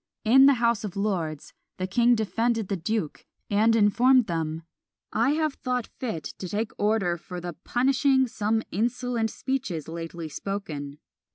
In the House of Lords the king defended the duke, and informed them, "I have thought fit to take order for the punishing some insolent speeches lately spoken."